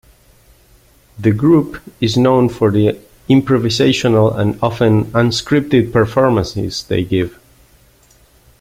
The group is known for the improvisational and often unscripted performances they give.